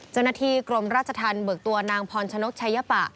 เจ้าหน้าที่กรมราชธรรมเบิกตัวนางพรชนกชายปะ